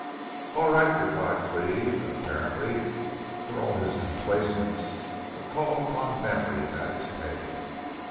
"All right," replied Cleve, and apparently, for all his complaisance, a call upon memory had its pain.